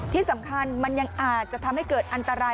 ที่สำคัญมันยังอาจจะทำให้เกิดอันตราย